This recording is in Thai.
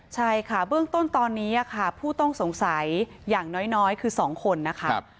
ใช่ค่ะเบื้องต้นตอนนี้ค่ะผู้ต้องสงสัยอย่างน้อยคือ๒คนนะคะ